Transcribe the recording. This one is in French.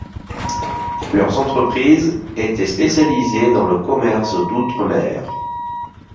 Leur entreprise était spécialisée dans le commerce d'outre-mer.